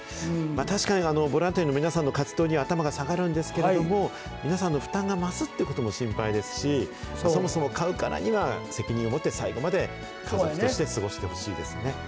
確かにボランティアの皆さんの活動には頭が下がるんですけど、皆さんの負担が増すということも心配ですし、そもそも飼うからには、責任を持って最後まで家族として過ごしてほしいですね。